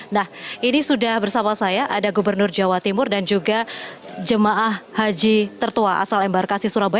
nah ini sudah bersama saya ada gubernur jawa timur dan juga jemaah haji tertua asal embarkasi surabaya